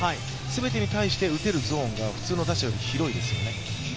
全てに対して打てるゾーンが普通の打者より広いですよね。